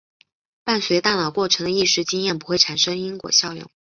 伴随大脑过程的意识经验不会产生因果效用。